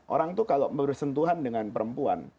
orang itu kalau bersentuhan dengan perempuan